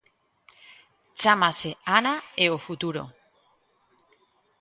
Chámase Ana e o futuro.